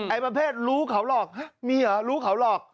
ประเภทรู้เขาหลอกมีเหรอรู้เขาหลอก